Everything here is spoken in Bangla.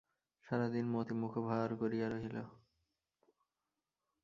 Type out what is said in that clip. সারাদিন মতি মুখভার করিয়া রহিল।